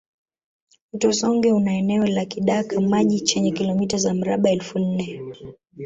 Mto Songwe una eneo la kidaka maji chenye kilomita za mraba elfu nne